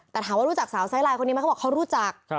แต่ถามว่ารู้จักสาวไซลายคนนี้ไหมเขาบอกเขารู้จัก